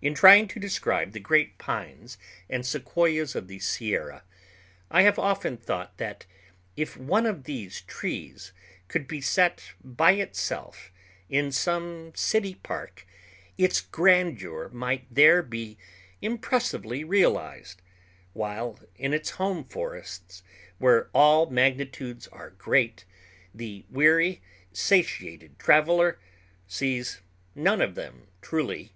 In trying to describe the great pines and sequoias of the Sierra, I have often thought that if one of these trees could be set by itself in some city park, its grandeur might there be impressively realized; while in its home forests, where all magnitudes are great, the weary, satiated traveler sees none of them truly.